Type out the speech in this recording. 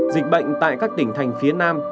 dịch bệnh tại các tỉnh thành phía nam